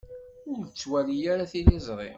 Ur ttwali ara tiliẓri.